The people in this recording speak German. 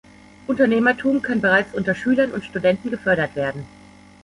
Unternehmertum kann bereits unter Schülern und Studenten gefördert werden.